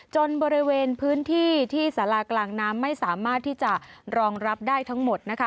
บริเวณพื้นที่ที่สารากลางน้ำไม่สามารถที่จะรองรับได้ทั้งหมดนะคะ